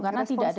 karena tidak ada